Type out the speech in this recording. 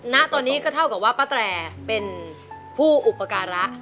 ณตอนนี้ก็เท่ากับว่าป้าแตรเป็นผู้อุปการะ